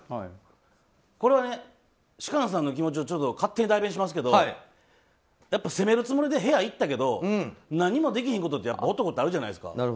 これは、芝翫さんの気持ちを勝手に代弁しますけどやっぱ攻めるつもりで部屋行ったけど何もできひんことって男ってあるじゃないですか。